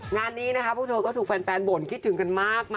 งานมีนะครับผมเจอก็ถูกแฟนแฟนดบ่นคิดถึงกันมาก